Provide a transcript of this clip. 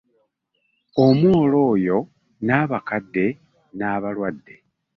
Omwolo oyo, n’abakadde n’abalwadde.